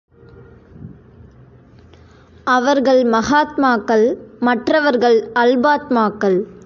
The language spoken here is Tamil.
அவர்கள் மகாத்மாக்கள் மற்றவர்கள் அல்பாத்மாக்கள்.